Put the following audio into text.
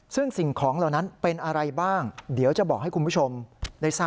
ซึ่งสิ่งของเหล่านั้นเป็นอะไรบ้างเดี๋ยวจะบอกให้คุณผู้ชมได้ทราบ